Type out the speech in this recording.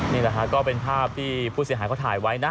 นี่แหละฮะก็เป็นภาพที่ผู้เสียหายเขาถ่ายไว้นะ